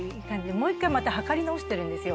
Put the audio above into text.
もう一回また量り直してるんですよ。